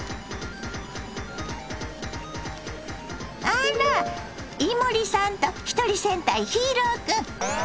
あら伊守さんとひとり戦隊ヒーロー君。